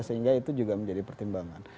sehingga itu juga menjadi pertimbangan